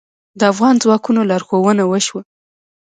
د افغان ځواکونو لارښوونه وشوه.